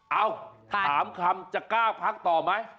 เอ้าถามคำจะกล้าพักต่อไหม